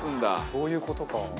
そういう事か。